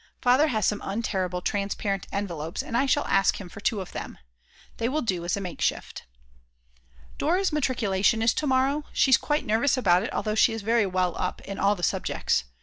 Father has some untearable transparent envelopes, and I shall ask him for two of them. They will do as a makeshift. Dora's matriculation is to morrow, she's quite nervous about it although she is very well up in all the subjects.